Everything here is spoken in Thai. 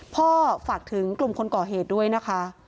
ฝากถึงกลุ่มคนก่อเหตุด้วยนะคะ